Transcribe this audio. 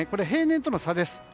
平年との差です。